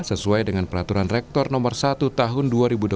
sesuai dengan peraturan rektor no satu tahun dua ribu dua puluh tiga